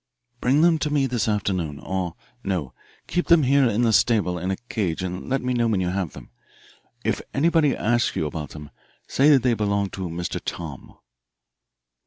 "Bring them to me this afternoon, or no, keep them here in the stable in a cage and let me know when you have them. If anybody asks you about them, say they belong to Mr. Tom."